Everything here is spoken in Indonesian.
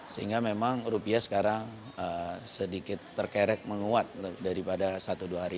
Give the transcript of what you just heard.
sehingga memang rupiah sekarang sedikit terkerek menguat daripada satu dua hari